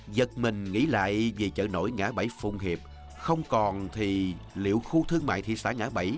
giật mình nghĩ lại về chợ nổi ngã bảy phùng hiệp không còn thì liệu khu thương mại thị xã ngã bảy